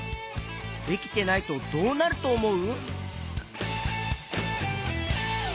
できてないとどうなるとおもう？